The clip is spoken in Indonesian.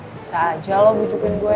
bisa aja lo nunjukin gue